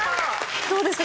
どうですか？